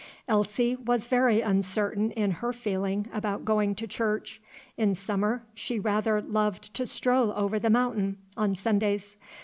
Elsie was very uncertain in her feeling about going to church. In summer, she loved rather to stroll over The Mountain, on Sundays.